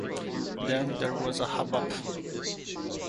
Then there was a hubbub!